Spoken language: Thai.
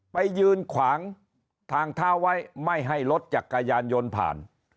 ไปยืนขวางทางเท้าไว้ไม่ให้รถจักรยานยนต์ผ่าน